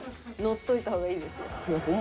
乗っといた方がいいですよ。